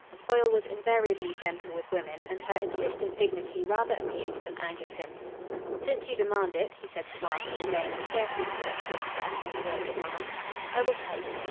Foyle was invariably gentle with women, and her insistent dignity rather amused than angered him. "Since you demand it," he said suavely, laying a scarcely perceptible stress on the word demand, "I will tell you.